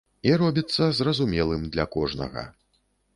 І робіцца зразумелым для кожнага.